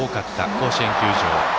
甲子園球場。